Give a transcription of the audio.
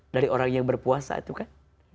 dari orang yang berpuasa itu kan